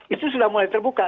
itu sudah mulai terbuka